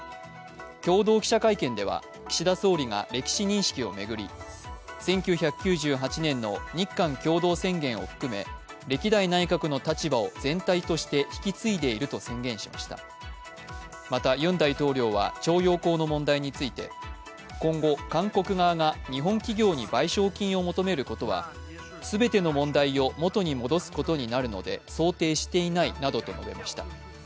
共同記者会見では岸田総理が歴史認識を巡り、１９９８年の日韓共同宣言を含め、歴代内閣の立場を全体として引き継いでいると宣言しましたまた、ユン大統領は徴用工の問題について今後、韓国側が日本企業に賠償金を求めることは全ての問題を元に戻すことになるので、想定していないなどと述べました。